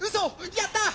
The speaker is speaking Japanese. やった！！